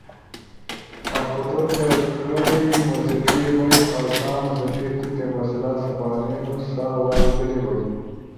پتوتے غلئی موسیقی بئی۔ اؤ سا موسیقی توتے مسئلہ سپارینُو سا آواز غلے بئی۔